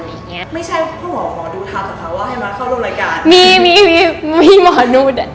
ใช่พี่หมอดูทำแบบว่าให้มาเข้าร่วมรายการ